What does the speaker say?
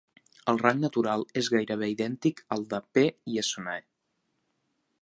El rang natural és gairebé idèntic al de "P. lessonae".